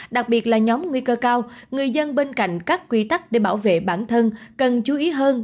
đặc biệt là nhóm nguy cơ cao người dân bên cạnh các quy tắc để bảo vệ bản thân cần chú ý hơn